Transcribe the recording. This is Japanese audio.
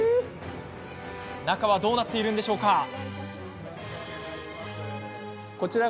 中はどうなっているのでしょうか。